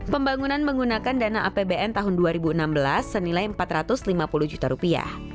pembangunan menggunakan dana apbn tahun dua ribu enam belas senilai empat ratus lima puluh juta rupiah